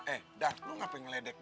eh dar lu ngapain ngeledek